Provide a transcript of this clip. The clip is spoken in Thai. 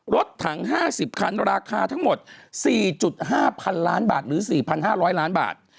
รถถัง๕๐คันราคาทั้งหมด๔๕พันล้านบาทหรือ๔๕๐๐ล้านบาท